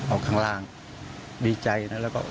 เอาข้างล่างดีใจนะ